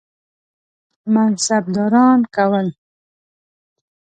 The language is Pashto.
منصبداران کول.